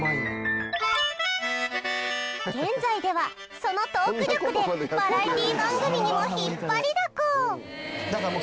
現在ではそのトーク力でバラエティ番組にも引っ張りだこ。